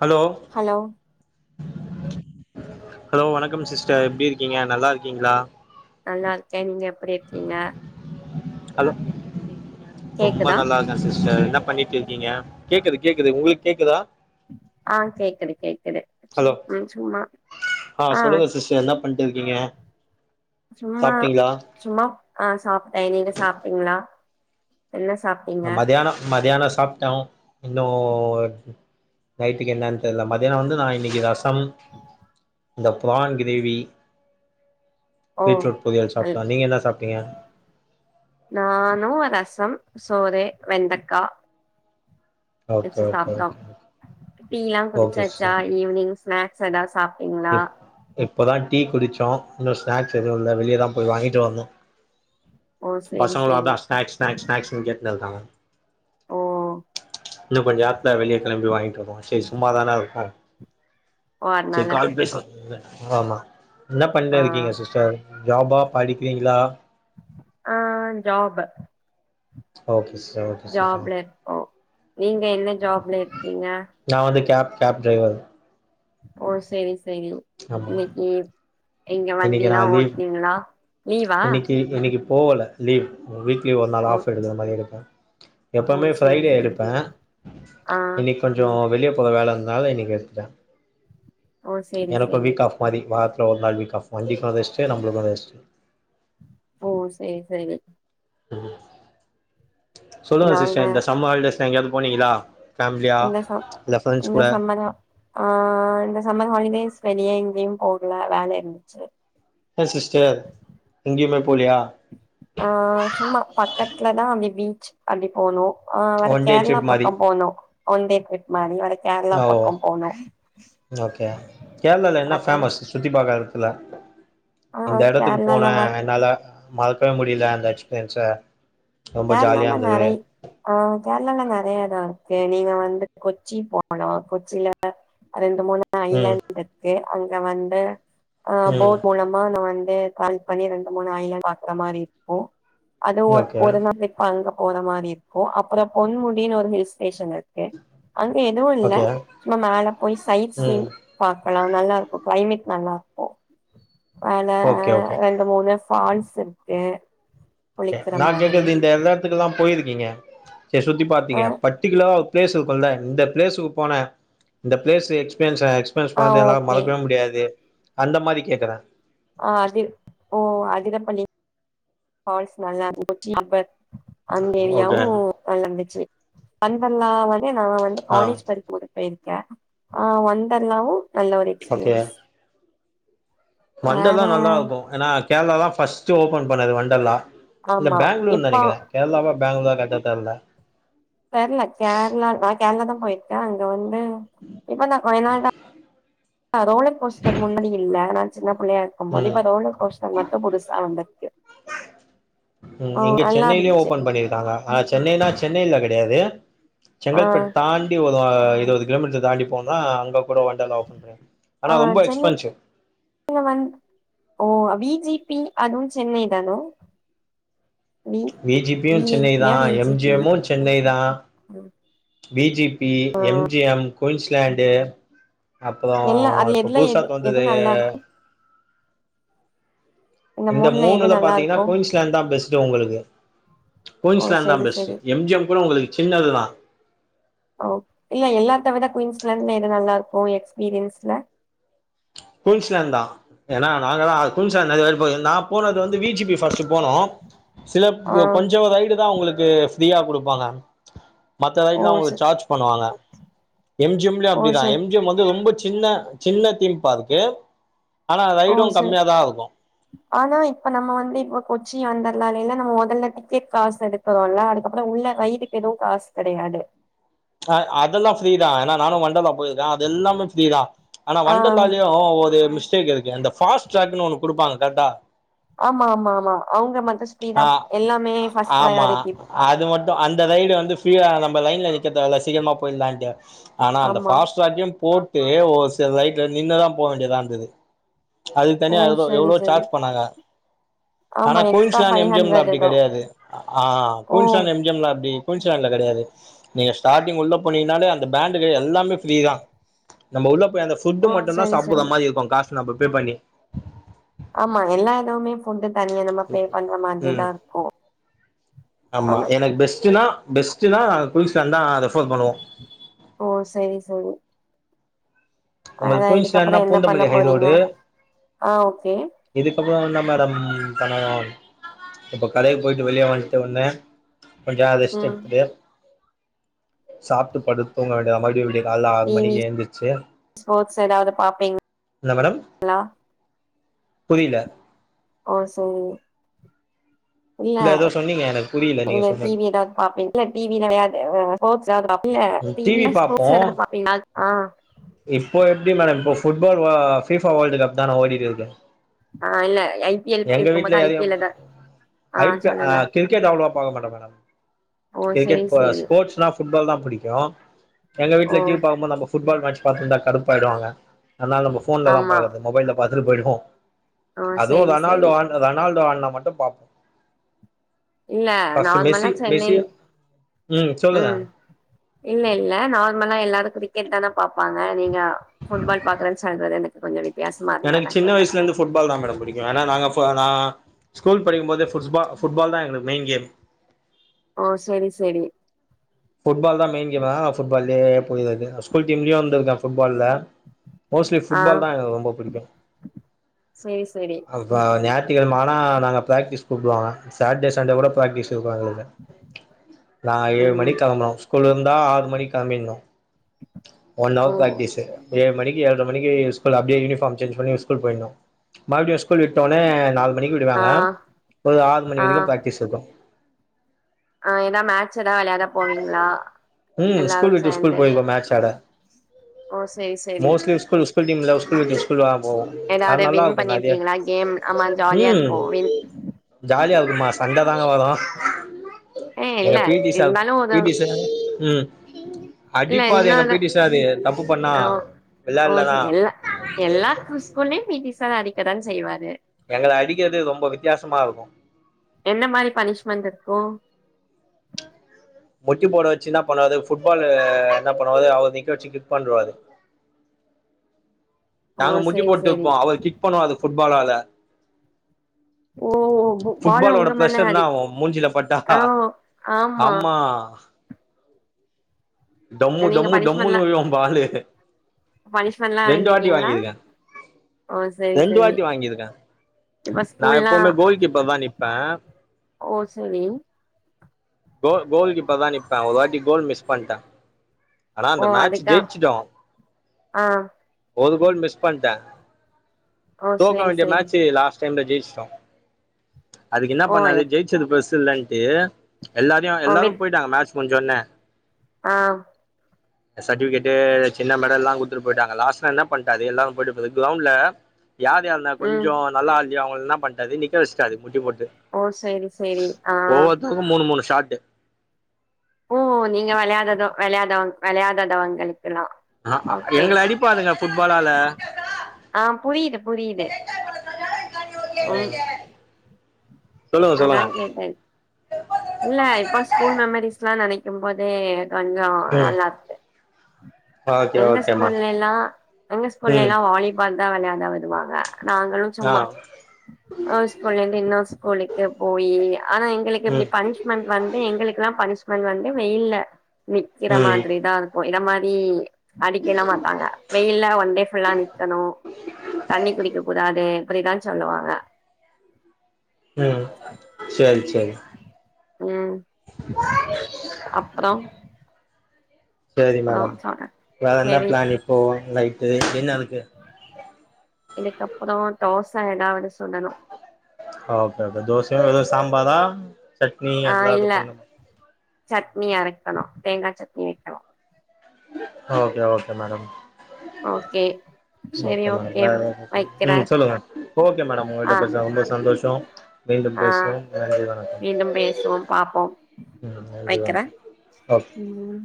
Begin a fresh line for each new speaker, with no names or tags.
hello
hello
hello வணக்கம் sister எப்டி இருக்கீங்க நல்லா இருக்கீங்களா
நல்லா இருக்க நீங்க எப்டி இருக்கீங்க
ஹலோ ரொம்ப
கேக்குதா
நல்லாருக் க சிஸ்டர் என்ன பண்ணிட்டு இருக்கீங்க கேக்குது கேக்குது உங்களுக் கேக்குதா
ஆ கேக்குது கேக்குது
ஹலோ
ம் சும்மா ஆ
ட்டு என்ன பண்ட்டு இருக்கீங்க
சும்மா
சாப்ட்டீங்களா
சும்மா ஆ சாப்டே நீங்க சாப்டீங்களா என்ன சாப்
அ மதியானோ மதியானோ சாப்டோ இன்னு நைட்டுக்கு என்னான் தெர்ல மதியானோ வந்து நா இன்னக்கி ரசம் இந்த ப்ரான் கிரேவி
ஓ
பீட்ரூட் பொறியல் சாப்ட்டோ நீங்க என்னா சாப்ட்டீங்க
நானு ரசம் சோறு வெந்தக்கா
ஓகே
வச்சு
ஓகே
சாப்ட்டோ
ஓகே
டீல்லா
ஓகே
குடுச்சாச்சா
சிஸ்டர்
ஈவ்னிங் ஸ்நாக்ஸ் எதாவது சாப்ட்டீங்களா
இப்ப தா டீ குடுச்சோ இன்னு ஸ்நாக்ஸ் எதுவு இல்ல வெளிய தா போய் வாங்கிட்டு வரனு
ஓ சேரி
பசங்களு
சேரி
அதா ஸ்நாக்ஸ் ஸ்நாக்ஸ் ஸ்நாக்ஸுன் கேட்டுனு இருக்காங்க
ஓ
இன்னு கொஞ்ச நேரத்துல வெளிய கெளம்பி வாங்கிட்டு வருவோ சேரி சும்மாதான இருக்கோ
ஓ
செரி
அதனால
கால் பேச ஆமா என்ன
ஆ
பண்ணு இருக்கீங்க சிஸ்டர் ஜாபா படிக்கிறீங்களா
ஆ ஜாப்பு
ஓகே சிஸ்டர் ஓ
ஜாப்ல இருக்கோ நீங்க என்ன ஜாப்ல இருக்கீங்க
நா வந்து கேப் கேப் டிரைவர்
ஓ சேரி செரியு
ஆமா
இன்னக்கி நீங்க
இன்னைக்கு நா
வண்டில்லா ஓட்னீங்களா லீவா
இன்னிக்கு போகல லீவ் வீக்லி ஒரு நாள்
ஓ
ஆஃப் எடுக்குற மாரி இருப்ப
ஓ
எப்பவுமே
சேரி
ஃபிரைடே
சேரி
எடுப்ப
ஆ
இன்னிக் கொஞ்சோ வெளிய போற வேல இருந்தனால இன்னிக்கு எடுத்த
ஓ சேரி
எனக்கு
சேரி
வீக் ஆஃப் பாதி வாரத்துல ஒரு நாள் வீக் ஆஃப் மாதிரி இப்ப ரெஸ்டு நம்மளுக்கு ஒரு ரெஸ்டு
ஓ சேர் சேரி
சொல்லுங்க
நாங்க
சிஸ்டர் இந்த சம்மர் ஹாலிடேஸ்ல எங்கயாவது போனீங்களா ஃபேமிலியா
இந்த ச
இல்ல ஃப்ரெண்ட்ஸ்
இந்த
கூட
சம்மர் ஆ இந்த சம்மர் ஹாலிடேஸ் வெளிய இங்கயு போகல வேல இருந்ச்சு
ஏ சிஸ்டர் எங்கயுமே போலியா
ஆ சும்மா பக்கத்துல தா அப்டி பீச் அப்டி போனோ ஆ வர்ர
ஒன் டே
கேரளா
ட்ரிப் மாரி
பக்க போனோ ஒண்டே டிரிப் மாரி வட கே
ஓ ஓகே கேரளால என்ன
வேற
ஃபேமஸ் சுத்தி பாக்கற எடத்துல
ஆ
இந்த எடத்துக்கு
கேரளால
போனே
வ
அதுனால மறக்கவே முடியல அந்த எக்ஸ்பீரியன்ஸ ரொம்ப ஜாலியா
கேரளால
இருந்தது
நெறை ஆ கேரளால நெறைய எடோ இருக்கு நீங்க வந்து கொச்சி போனு கொச்சில ரெண்டு மூணு
ம்
ஐலாந்து இருக்கு அங்க வந்து அ
ம்
போட் மூலமா நா வந்து வன் பண்ணி ரெண்டு மூணு ஐலான் பாக்குற மாரி இருக்கு அது ஒரு
ஓகே
அதுக்கு அங்க போற மாரி இருக்கு அப்பறோ பொன்முடின் ஒரு ஹில்ஸ் ஸ்டேஷன் இரு கே அங்க எதுவு இல்ல
ஓகே
சும்மா மேல போய் சைட் சீன்
ம்
பாக்கலா நல்லாருக்கு கிளைமேட் நல்லாருக்கு மேல ஆ
ஓகே ஓகே
ரெண்டு மூணு ஃபால்ஸ் இருக்கு
டே
குளிக்கிற
நா
மாதிரி
கேக்கறது இந்த எல்லா எடத்துக்கலா போயிருக்கீங்க சரி சுத்தி
ஆ
பாத்தீங்க பர்டிகுலரா பிளேஸு இருக்குல இந்த பிளேஸுக்கு போனே இந்த பிளேஸு எக்ஸ்பீரியன்ஸ எக்ஸ் பிரியன்ஸ்
ஆ
பண்ணது என்னால
ஓகே
மறக்கவே முடியாது அந்த மாரி கேக்குறே
ஆ அது ஓ அதிரப்பலி ஃபால்ஸ் நல்லாயிருந்துச்சு அப்ப அந்த
ஓகே
ஏரியாவு நல்லா இருந்துச்சு ஒண்டர்லா வந்து நாங்க வந்து
ஆ
காலேஜ் படிக்கும் போது போயிருக்கே ஆ ஒட்டர்லாவு நல்ல ஒரு எக்ஸ்பீரியன்ஸ் வேற
ஒண்டர்லா நல்லா இருக்கு ஏனா கேரளா தா ஃபர்ஸ்ட்டு ஓபன் பண்ணது ஒண்டர்லா இல்ல
ஆமா
பேங்ளூர்ன்
இப்போ
நெனைக்கிறே கேரளாவா பேங்ளூரா கரெக்ட்டா தெரில
தெர்ல கேரளா நா கேரளா தா போயிருக்கே அங்க வந்து இப்பதா ஒரு ரெண்டு நாள்தா ஆ ரோலர் கோஸ்டர் முன்னாடி இல்ல சின்ன பிள்ளையா இருக்கும்போது
ம்
இப்போ ரோலர் கோஷ்டர் மட்டோ புதுசா வந்துருக்கு
ம் இங்க சென்னையிலே
இருந்துச்சு
ஓபன் பண்ணிருக்காங்க ஆனா சென்னைனா சென்னைலே கெடையாது
ஆ
செங்கல்பட் தாண்டி ஒரு இருவது கிலோமீட்டர் தாண்டி போனா அங்க கூட ஒண்டலோ ஓபன் பண்ணிருக்
ஆ சென்னை வந்து ஓ வி ஜி பி அதுவோ சென்னை தான
வீ ஜி பி யோ
வி ஐ
சென்னை
பி
தா
யா V
M G
P
M மோ சென்னை தா V G P M G M Queensland அப்றோ
எல்லா அதுல
இப்ப
எதுல
புதுசா
எது எது
தொந்தது
நல்லா இருக்கு
இந்த
எது
மூணுல
நல்லா
பாத்தீங்னா
இருக்கு
குயின்ஸ் லேண்டு தா பெஸ்ட் உங்களுக்கு
ஓ
குயின்ஸ்லேண்டு தா
செரி
பெஸ்ட்
செரி
எம் ஜி எம் கூட உங்களுக்கு சின்னது தா
ஓ இல்ல எல்லாத்தவிட குயின்ஸ்லேண்டுல எது நல்லா இருக்கோ எக்ஸ்பீரியன்ஸ்ல
குயின்ஸ்லேந்தா ஏனா நாங்க தா குயின்ஸ்லேண்டு ஏறி போயிருந்தா போனது வந்து வி ஜி பி பஸ்ட் போனோ சில
ஆ
கொஞ்சோ ரைடு தா உங்களுக்கு ப்ரீயா குடுப்பாங்க மத்த
ஓ
ரைடுலா
செ
உங்களுக்கு சார்ஜ் பண்ணுவாங்க எம் ஜி எம்
ஓ
அப்டிதா
செரி
எம் ஜி எம் வந்து ரொம்ப சின்ன சின்ன தீம் பார்க் கு ஆனா
ஓ
ரைடோ
செரி
கம்மியதா இருக்கோ
ஆனா இப்ப நம்ம வந்து இப்ப கொச்சி ஒண்டர்லால நம்ம மொதல்ல டிக்கேட் காசு எடுத் தோல அதுக்கப்றோ உள்ள ரைடுக்கு எதுவோ காசு கெடையாது
ஆ அதல்லா ஃப்ரீ தா ஏனா நானு ஒண்டர்லா போயிரு ஆ அது எல்லாமே ஃப்ரீ தா ஆனா
ஆ
ஒண்டர்லாலயு ஒரு மிஸ்டேக் இருக் கு அந்த ஃபாஸ்ட் ட்ராக்னு ஒன்னு குடுப்பாங்க கரட்டா
ஆமா ஆமா ஆமா அவுங்க வந்து
ஆ
ஸ்பீடாப் எல்லாமே பஸ்ட்
ஆமா
ப்ரையாரிட்டி
அது மட்டோ அந்த ரைடு வந்து ப்ரீயா நம்ம லைன்ல நிக்க தேவல சீக்கிரமா போயிலான்ட்டு ஆனா அந்த
ஆமா
பாஸ்டிராக்கே போட்டு ஒரு சில ரைட்ல நின்னா தா போக வேண்டியதாந்தது அதுக்கு
ஓ
தனியா எவ்ளோ
செரி
எவ்ளோ
செரி
சார்ஜ் பண்ணாங்க ஆனா
ஆமா extra
Queensland
five
M G M ல
ஹண்ட்ரட்
அப்டி
எதோ
கெடையாது ஆ
ஓ
குயின்ஸ்லேன்ட் எம் ஜி எம் லா எப்டி குயின்ஸ்லேன்ட் ல கெடையாது நீங்க ஸ்டார்டிங் உள்ள போனீங்னாலே அந்த பேண்டு எல்லாமே ப்ரீ தா நம்ம உள்ள போய் அந்த புட்டு
ஓ
மட்டுதா
சரி
சாப்புற
சரி
மாரி இருக்கோ காசு நம்ம பே பண்ணி
ஆமா எல்லா இதுவுமே புட்டு தனியா நம்ம பே பண்ற மாதிரி
ம்
தா இருக்கோ
ஆமா எனக்கு பெஸ்ட்டுனா பெஸ்ட்டுனா குயின்ஸ்லேண்ட் தா ரெபர் பண்ணுவோ
ஓ செரி செரி
உங்குளுக்
இதுக்கப்புற
குயின்ஸ்லேண்ட்னா
என்ன பண்ண
பூந்தமல்லி
போறீங்க
ஹைரோடு
ஆ ஓகே
இதுக்கப்றோ தா மேடோ பண்ணனு இப்ப கடைக்கு போயிட்டு வெளிய வன்ட ஒனே கொஞ்ச ரெஸ்ட்
ம்
எடுத்துட்டு சாப்ட்டு படுத்து தூங்க வேண்டியதா மறுபடியோ விடிய கால ஆறு
டி வி
மணிக்கு எந்துச்சி
ஸ்போர்ட்ஸ் ஏதாவது பாப்பேன்
ந மேடம் புரில
ஓ சோ
இல்ல ஏதோ சொன்னிங்க
நீங்க டிவி ஏதாது பாப்பிங்க இல்ல டிவி கெடையாது ஸ்போர்ட்ஸ்ஸாது பாப்பே இல்ல டிவி ஸ்போர்ட்ஸ் எதாது பாப்பிங்கலா ஆ
இப்போ எப்டி மேடம் இப்போ புட்பால் ஆ பிபா வேல்டு கப் தான ஓடினு இருக்கு
ஆ இல்ல ஐ பி எல்
எங்க வீட்ல
இருக்கும்போது ஐ
எதையோ
பி எல் ஏதா
ஐப் ஆ கிரிக்கெட் அவ்ளவா பாக்க மாட்டோ மேடோ
ஓ
கிரிக்கெட்
சரி
ப
சரி
ஸ்போர்ட்ஸ்னா புட்பால் தா புடிக்கோ எங்க
ஓ
வீட்ல டிவி பாக்குபோது நம்ம புட்பால் மேட்ச் பாத்து இருந்தா கடுப்பா ஆயிடுவாங்க அதனால நம்ம போன்லதா
ஆமா
பாக்கறது மொபைல பாத்துட்டு போய்டுவோ
ஓ
தோ
சரி
ரனால்டோ
சரி
ஆட்னா ரனால்டோ ஆட்னா மட்டு பாப்போ
இல்ல
ஃபர்ஸ்ட்
நார்மலா
மிஸ்யூ மிஸ்யூ
சென்னைல்
ம் சொல்லுங்க
இல்ல இல்ல நார்மலா எல்லாரு கிரிக்கெட்தான பாப்பாங்க நீங்க ஃபுட்பால் பாக்குறே சாய்ந்தரோ வரைக்கு எனக்கு கொஞ்சோ வெயிட்
எனக்கு சின்ன வயசுலந்து ஃபுட்பால்தா மேடம் பிடிக்கு ஏனா நாங்க நா ஸ்கூல் படிக்கும்போது ஃபுட்ஸ்பால் ஃபுட்பால்தா எங்களுக்கு மெயின் கேம்
ஓ சேரி சேரி
ஃபுட்பால்தா மெயின் கேம்மா ஃபுட்பாலேயே [unintelligible] ஸ்கூல் டீம் நியூவா வந்திருக்க ஃபுட்பால்ல மோஸ்ட்லி
ஆ
ஃபுட்பால்தா எனக்கு ரொம்ப புடிக்கு
செரி செரி
ஆ இப்ப ஞாயித்துகிழம ஆனா நாங்க ப்ராக்டிஸ் கூப்டுவாங்க சாட்டே சண்டே கூட ப்ராக்டிஸ் இருக்கு எங்களுக்கு நா ஏழு மணி
ம்
கெளம்ணு ஸ்கூல் இருந்தா ஆறு மணி கெளம்பிட்ணு ஒன்
ஓ
ஹவர் பிராக்டிஸு ஏழு மணிக்கு ஏழ்ர மணிக்கு ஸ்கூல் அப்டியே யூனிஃபார்ம் சேஞ்ச் பண்ணி ஸ்கூல் போய்ட்ணு மறுபடியு ஸ்கூல் விட்டோனே நாலு மணிக்கு
ஆ
விடுவாங்க ஒரு ஆறு மணி
ஆ
வரைக்கு ப்ராக்டிஸ் இருக்கு
ஆ ஏதா மேட்ச் எதாது வெளையாட போவீங்களா
ம்
எல்லாரு
ஸ்கூல் விட்டு ஸ்கூல்
சேர்ந்து
போயிருக்கோ மேட்ச் ஆட
ஓ சேர் சேரி
[unintelligible] ஒரு ஸ்கூல் இன்னோர் ஸ்கூல்லா போவோ
ஏதாவது
அது நல்லா
வின்
இருக்கு நெறைய
பண்ணிர்க்கீங்களா கேம் ஆமா ஜாலியா
ம்
இருக்கு வின்
ஜாலியா இருக்குமா சண்ட தாங்க வரு
ஹே இல்ல இருந்தாலு
பீ
ஒரு
டி சார் ம்
இல்ல
அடிப்பாரு எங்க
இன்னொரு
பீ டி சாரு தப்பு பண்ணா
ஓ ஓ
வெள்ளாலேன்னா
எல்லா எல்லா ஸ்கூல்லயு பீ டி சார் அடிக்கதா செய்வாரு
எங்கள அடிக்கிறது ரொம்ப வித்யாசமா இருக்கு
என்ன மாரி பனிஷ்மெண்ட் இருக்கு
முட்டி போட வச்சு என்ன பண்ணுவாரு ஃபுட்பால் என்ன பண்ணுவாரு அவரு நிக்க வச்சு கிக் பண்டுவாரு
[inaudible]
நாங்க முட்டி
சேரி சேரி
போட்டுருப்போ அவரு கிக் பண்ணுவாரு அது ஃபுட்பாலால
ஓ பால
ஃபுட்பாலோட
உங்க மேல
ப்ரெஷர் என்ன
அடி
ஆவு மூஞ்சில ஆ டொம்மு
நீங்க
டொம்மு டொம்முனு
பனிஷ்மெண்ட்லா
விழும் பாலு
பனிஷ்மெண்ட்லா
ரெண்டு வாட்டி
வாங்கிருக்கீங்களா
வாங்கிருக்கே
ஓ சேரி
ரெண்டு
சேரி
வாட்டி வாங்கிருக்கே
இப்ப
நான்
ஸ்கூல்லா
எப்பவுமே கோல் கீப்பராதா நிப்பே
ஓ செரிங்
கோ கோல்கீப்பராதா நிப்பே ஒரு வாட்டி கோல் மிஸ் பண்டே ஆனா
ஓ
அந்த மேட்ச்
அதுக்கா
ஜெயிச்சிடோ
ஆ
ஒரு கோல் மிஸ் பண்டே
ஓ
தோக்க
சேரி
வேண்டிய
சேரி
மேட்சு லாஸ் டைம்ல ஜெயிச்சிட்டோ அதுக்கு என்ன
ஓ
பண்ணாரு
எப்
ஜெயிச்சது பெருஸ் இல்லேன்ட்டு எல்லாரையு
ஓ
எல்லாரு
வித்
போயிட்டாங்க மேட்ச் முடிஞ்சோன்னே
ஆ
சர்டிபிக்கட்டு சின்ன மெடல்லா கொத்துட்டு போயிட்டாங்க லாஸ்ட்ல என்ன பண்டாரு எல்லாரு போயிட்ட பிறகு கிரௌண்ட்ல யார் யார்லா
ம்
கொஞ்சோ நல்லா ஆட்லயோ அவங்கள்ளா என்ன பண்ட்டாரு நிக்க வச்டாரு முட்டி போட்டு
ஓ சேரி சேரி ஆ
மூனு மூனு ஷாட்டு
ஓ நீங்க விளையாதத விளையாதவங்க விளையாதாதவங்களுக்கெல்லா
ஆ எங்கள அடிப்பானுங்க புட்பாலால
ஆ புரியுது புரியுது ம்
ஆ
அதா கேட்டே இல்ல இப்போ ஸ்கூல் மெமரிஸ் எல்லா நெனைக்கும் போதே கொஞ்ஜோ
ம்
நல்லாருக்கு
ஓகே
எங்க
ஓகேம்மா
ஸ்கூல்ல எல்லா எங்க ஸ்கூல்ல
ம்
எல்லா வாலிபால் வந்தா விளையாதா வருவாங்க நாங்களு
ஆ
சும்மா ஒரு ஸ்கூல்ல இருந்து இன்னோ ஸ்கூலு போயி ஆனா எங்களுக்கு இப்படி
ம்
பனிஷ்மென்ட்டு வந்து எங்களுக்கெல்லா பனிஷ்மென்ட்டு வந்து வெயில்ல நிக்குற
ம்
மாதிரி தா இருக்கு இத மாதிரி அடிக்கல்லா மாட்டாங்க வெயில்ல ஒன் டே ஃபுல்லா நிக்கனு தண்ணி குடிக்க கூடாது அப்டித்தா சொல்லுவாங்க
ம் செரி செரி
ம்
[unintelligible]
அப்றோ
சரி
அப்றோ
மேடம்
சொல்றே
வேற என்ன
செரி
பிளான் இப்போ நைட்டு டின்னருக்கு
இதுக்கப்புறோ தோச எதாவது சுடனு
ஓகே ஓகே தோச எதா சாம்பாதா
ஆ இல்ல சட்னி அரைக்கனு தேங்கா சட்னி வக்கனு
ஓகே ஓகே மேடம்
ஓகே சரி ஓகே வைக்கிறே
ம் சொல்லுங்க ஓகே மேடம் உங்க கிட்ட
ஆ
பேசுங்க ரொம்ப சந்தோஷ மீண்டு
ஆ
பேசுவோம் நன்றி வணக்கம்
மீண்டும் பேசுவோம் பாப்போம்
உம் நன்றி வணக்கம் ஓகே
உம்